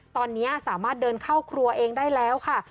ตอนนี้สามารถเดินเข้าครัวเองได้แล้วค่ะ